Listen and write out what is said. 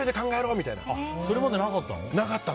それまでなかったの？